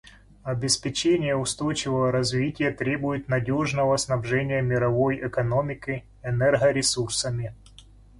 Обеспечение устойчивого развития требует надежного снабжения мировой экономики энергоресурсами.